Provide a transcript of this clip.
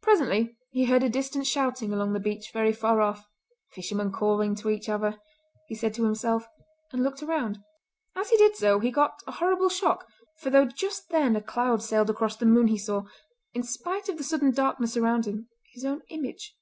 Presently he heard a distant shouting along the beach very far off. "The fishermen calling to each other," he said to himself and looked around. As he did so he got a horrible shock, for though just then a cloud sailed across the moon he saw, in spite of the sudden darkness around him, his own image.